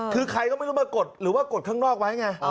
คือใครก็ไม่รู้ว่ากดข้างนอกไว้